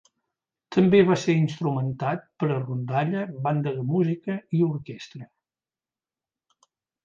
També va ser instrumentat per a rondalla, banda de música i orquestra.